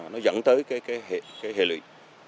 nó dẫn tới cái hệ lụy